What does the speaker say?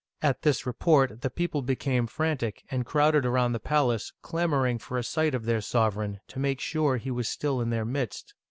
At this report the people became frantic, and crowded around the palace, clamoring for a sight of their sovereign, to make sure he was still in their midst.